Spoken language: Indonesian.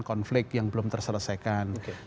konflik yang belum terselesaikan